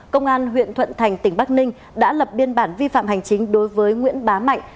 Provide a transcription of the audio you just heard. công an huyện thuận thành tỉnh bắc ninh đã lập biên bản vi phạm hành chính đối với nguyễn bá mạnh